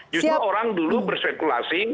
justru orang dulu berspekulasi